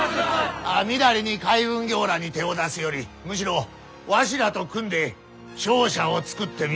みだりに海運業らあに手を出すよりむしろわしらと組んで商社を作ってみたらどうぜよ。